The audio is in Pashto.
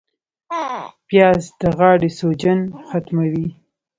پیاز د غاړې سوجن ختموي